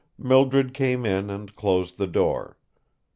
Mildred came in and closed the door.